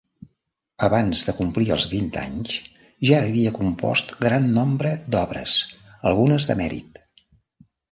Abans de complir els vint anys ja havia compost gran nombre d'obres, algunes de mèrit.